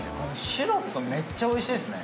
シロップ、めっちゃおいしいですね